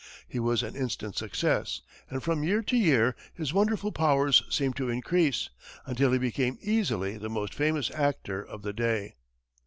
He was an instant success, and from year to year his wonderful powers seemed to increase, until he became easily the most famous actor of the day.